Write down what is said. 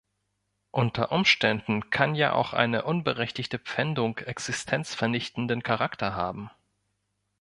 Unter Umständen kann ja auch eine unberechtigte Pfändung existenzvernichtenden Charakter haben.